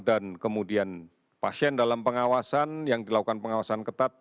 dan kemudian pasien dalam pengawasan yang dilakukan pengawasan ketat